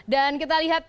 dan kita lihat